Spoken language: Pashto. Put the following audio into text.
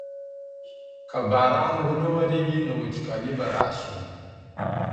که باران ونه ورېږي نو وچکالي به راشي.